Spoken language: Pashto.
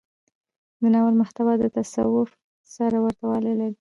د ناول محتوا له تصوف سره ورته والی لري.